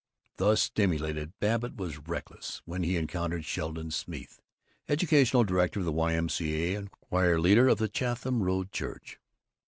Thus stimulated, Babbitt was reckless when he encountered Sheldon Smeeth, educational director of the Y.M.C.A. and choir leader of the Chatham Road Church.